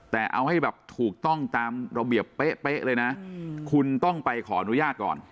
แต่เอาให้แบบถูกต้องตามระเบียบเป๊ะเลยนะคุณต้องไปขออนุญาตก่อน